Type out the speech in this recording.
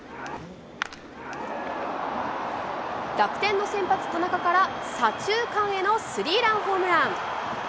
楽天の先発、田中から左中間へのスリーランホームラン。